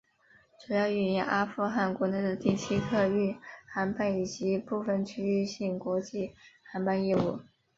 主要运营阿富汗国内的定期客运航班以及部分区域性国际航班业务。